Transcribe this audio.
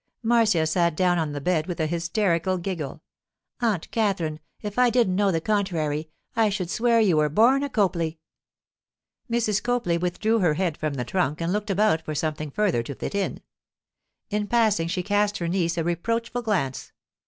Marcia sat down on the bed with a hysterical giggle. 'Aunt Katherine, if I didn't know the contrary, I should swear you were born a Copley.' Mrs. Copley withdrew her head from the trunk and looked about for something further to fit in. In passing she cast her niece a reproachful glance.